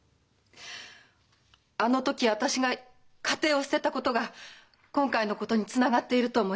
あの時私が家庭を捨てたことが今回のことにつながっていると思います。